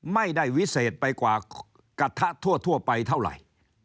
วิเศษไปกว่ากระทะทั่วไปเท่าไหร่